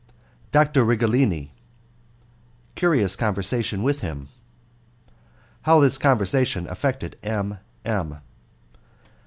Doctor Righelini Curious Conversation With Him How This Conversation Affected M. M.